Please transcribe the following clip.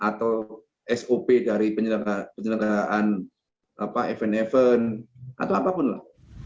atau sop dari penyelenggaraan event event atau apapun lah